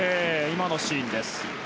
今のシーンです。